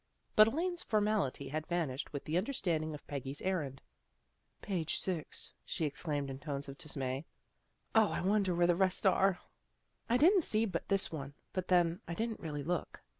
But Elaine's formality had vanished with the understanding of Peggy's errand. " Page six," she exclaimed in tones of dismay, " O, I wonder where the rest are." " I didn't see but this one, but then, I didn't really look.